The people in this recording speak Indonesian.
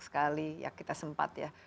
sekali ya kita sempat ya